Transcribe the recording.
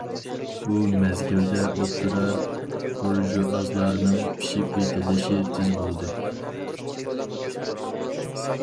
بۇ مەزگىلدە ئوتتۇرا بۇرژۇئازلارنىڭ پىشىپ يېتىلىشى تېز بولدى.